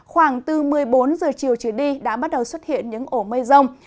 khoảng từ một mươi bốn h chiều trưa đi đã bắt đầu xuất hiện những ổ mây rông